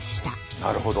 なるほど。